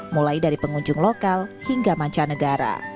mulai dari pengunjung lokal hingga mancanegara